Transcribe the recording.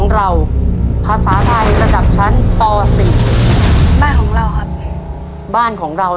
ตัวเลือดที่๓ม้าลายกับนกแก้วมาคอ